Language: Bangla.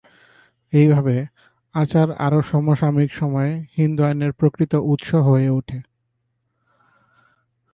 এইভাবে, আচার আরও সমসাময়িক সময়ে হিন্দু আইনের প্রকৃত উৎস হয়ে ওঠে।